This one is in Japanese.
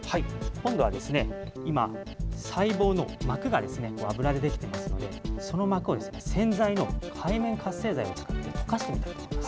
今度は今、細胞の膜が脂で出来ていますので、その膜を洗剤の界面活性剤を使って溶かしていきます。